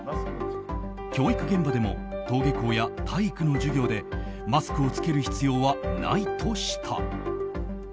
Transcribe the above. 教育現場でも登下校や体育の授業でマスクを着ける必要はないとした。